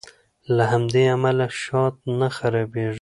له همدې امله شات نه خرابیږي.